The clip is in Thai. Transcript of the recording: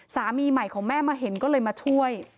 สามีใหม่ของแม่มาเห็นก็เลยมาช่วย